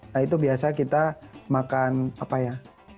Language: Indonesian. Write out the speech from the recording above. nah itu biasa kita makan apa ya